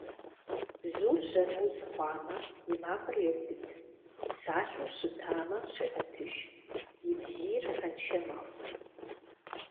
Бзур жьэн уз хъуамэ, и макъыр еубыд, псалъэу щытамэ, щегъэтыж, и бзийр фэншэ мэхъу.